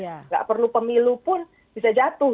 tidak perlu pemilu pun bisa jatuh